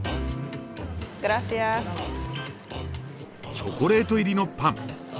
チョコレート入りのパン。